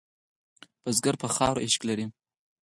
بزګر په خاوره عشق لري